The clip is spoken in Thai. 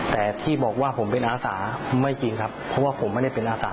แต่ที่บอกว่าผมเป็นอาสาไม่จริงครับเพราะว่าผมไม่ได้เป็นอาสา